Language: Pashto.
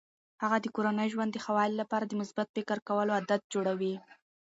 هغه د کورني ژوند د ښه والي لپاره د مثبت فکر کولو عادات جوړوي.